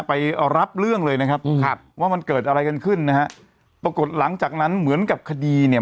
ไปรับเรื่องเลยนะครับครับว่ามันเกิดอะไรกันขึ้นนะฮะปรากฏหลังจากนั้นเหมือนกับคดีเนี่ย